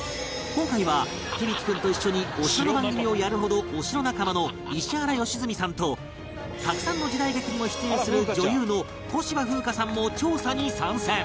今回は響大君と一緒にお城番組をやるほどお城仲間の石原良純さんとたくさんの時代劇にも出演する女優の小芝風花さんも調査に参戦